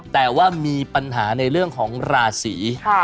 แต่ว่ามีปัญหาในเรื่องของราศี